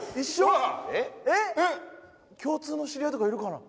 共通の知り合いとかいるかな。